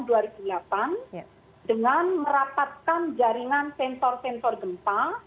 dengan merapatkan jaringan sensor sensor gempa